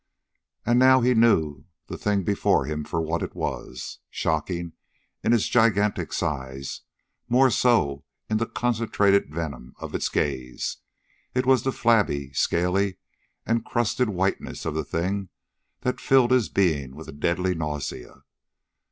And now he knew the thing before him for what it was. Shocking in its gigantic size, more so in the concentrated venom of its gaze, it was the flabby, scaly and crusted whiteness of the thing that filled his being with a deadly nausea.